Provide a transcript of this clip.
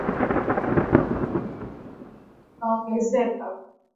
mashambulio ambayo Biden amelaani akisema ni ukatili unaoongezeka